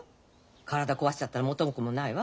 体壊しちゃったら元も子もないわ。